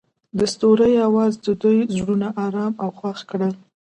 د ستوري اواز د دوی زړونه ارامه او خوښ کړل.